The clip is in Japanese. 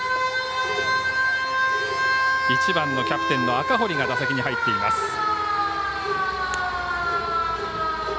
１番のキャプテンの赤堀が打席に入っています。